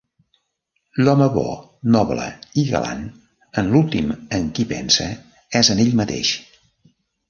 L'home bo, noble i galant en l'últim en qui pensa és en ell mateix.